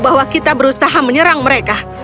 bahwa kita berusaha menyerang mereka